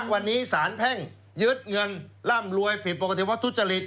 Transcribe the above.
วันนี้สารแพ่งยึดเงินร่ำรวยผิดปกติว่าทุจริต